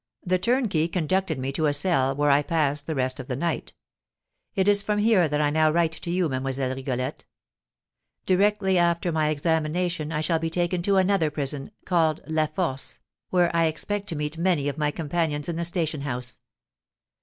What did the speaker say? The turnkey conducted me to a cell, where I passed the rest of the night. It is from here that I now write to you, Mlle. Rigolette. Directly after my examination I shall be taken to another prison, called La Force, where I expect to meet many of my companions in the station house.